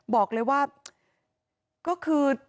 บอกเลยว่าก็คือ